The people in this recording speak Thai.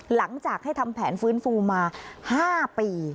หลังจากให้ทำแผนฟื้นฟูมา๕ปี